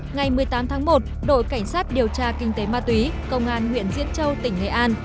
ngày một mươi tám tháng một đội cảnh sát điều tra kinh tế ma túy công an huyện diễn châu tỉnh nghệ an